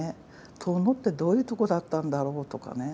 遠野ってどういうとこだったんだろうとかね